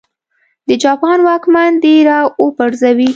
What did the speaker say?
د جاپان واکمن دې را وپرځوي.